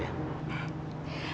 tapi aku minta urusinnya cepet